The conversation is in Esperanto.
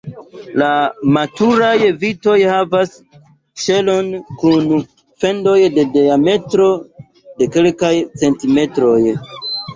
La maturaj vitoj havas ŝelon kun fendoj de diametro de kelkaj centimetroj.